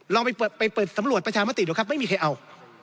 ลองไปเปิดสำรวจประชามติดูครับไม่มีใครเอา